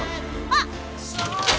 あっ！？